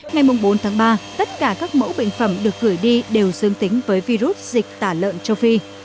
ngày bốn tháng ba tất cả các mẫu bệnh phẩm được gửi đi đều dương tính với virus dịch tả lợn châu phi